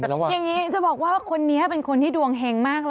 อย่างนี้จะบอกว่าคนนี้เป็นคนที่ดวงเฮงมาก